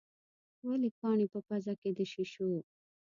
ولې کاڼي په پزه کې د شېشو.